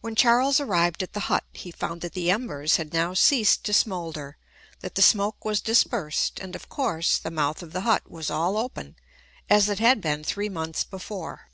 When Charles arrived at the hut, he found that the embers had now ceased to smoulder, that the smoke was dispersed, and, of course, the mouth of the hut was all open, as it had been three months before.